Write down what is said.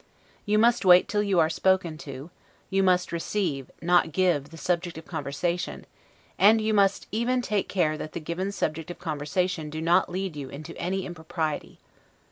You must wait till you are spoken to; you must receive, not give, the subject of conversation; and you must even take care that the given subject of such conversation do not lead you into any impropriety.